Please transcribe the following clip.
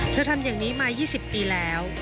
ทำอย่างนี้มา๒๐ปีแล้ว